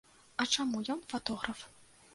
А чаму ён фатограф?